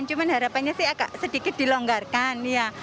cuman harapannya sih agak sedikit dilonggarkan ya